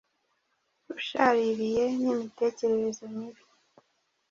ushaririye n’imitekerereze mibi.